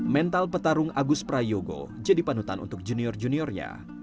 mental petarung agus prayogo jadi panutan untuk junior juniornya